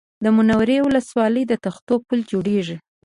د منورې ولسوالۍ تختو پل جوړېږي